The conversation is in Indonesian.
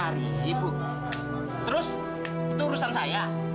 lima ribu terus itu urusan saya